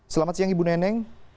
selamat siang ibu neneng